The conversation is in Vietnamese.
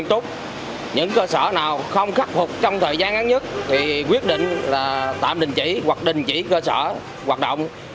trong phần trăm cơ sở